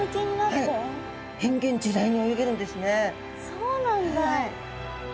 そうなんだ。